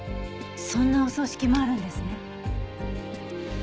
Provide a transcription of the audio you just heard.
そんなお葬式もあるんですね。